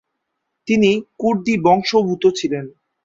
তিনি কুর্দি বংশোদ্ভূত ছিলেন।